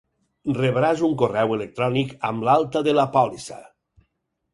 Rebràs un correu electrònic amb l'alta de la pòlissa.